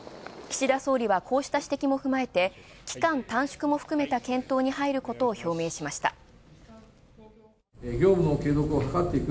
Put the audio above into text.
岸田総理はこうした指摘も踏まえて期間短縮も含めた検討に入ることを表明しました。